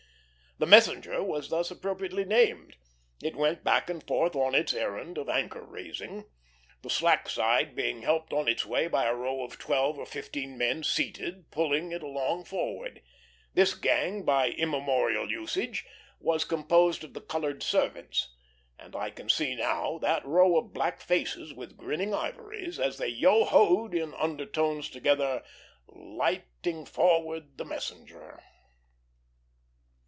The messenger thus was appropriately named; it went back and forth on its errand of anchor raising, the slack side being helped on its way by a row of twelve or fifteen men seated, pulling it along forward. This gang, by immemorial usage, was composed of the colored servants, and I can see now that row of black faces, with grinning ivories, as they yo ho'd in undertones together, "lighting forward the messenger."